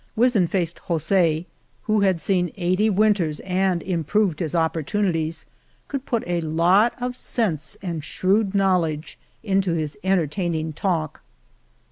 Wizen faced Josfe, who had seen eighty winters and improved his opportunities, could put a lot of sense and shrewd knowledge into his entertaining talk.